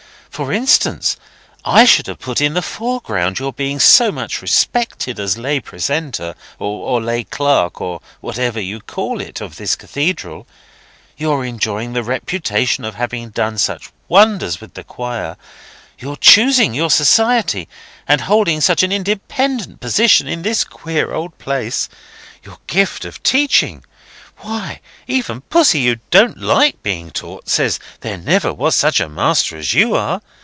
For instance: I should have put in the foreground your being so much respected as Lay Precentor, or Lay Clerk, or whatever you call it, of this Cathedral; your enjoying the reputation of having done such wonders with the choir; your choosing your society, and holding such an independent position in this queer old place; your gift of teaching (why, even Pussy, who don't like being taught, says there never was such a Master as you are!)